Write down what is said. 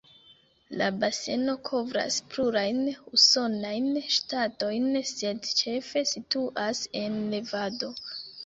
La baseno kovras plurajn usonajn ŝtatojn, sed ĉefe situas en Nevado.